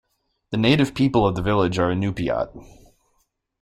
The native people of the village are Inupiat.